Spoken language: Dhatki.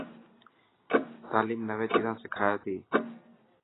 تعليم نوي چيزا سکائي تي.